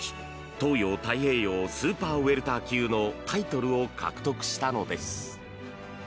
東洋太平洋スーパーウェルター級のタイトルを獲得したのです。